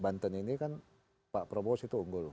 banten ini kan pak provost itu unggul